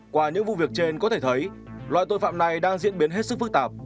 qua những vụ việc trên có thể thấy loại tội phạm này đang diễn biến hết sức phức tạp